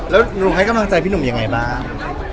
แล้วหนุ่มให้กำลังใจพี่หนุ่มยังไงบ้าง